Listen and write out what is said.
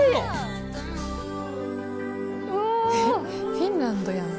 フィンランドやん。